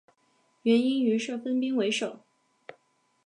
元英于是分兵围守。